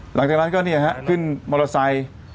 หลังจากนั้นก็เนี่ยครับขึ้นมอเตอร์ไซค์